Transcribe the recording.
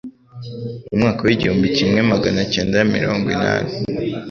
Mu mwaka wigihunbi kimwe maganacyenda murongo inani